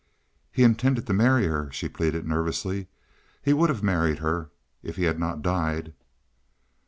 "He intended to marry her," she pleaded nervously. "He would have married her if he had not died."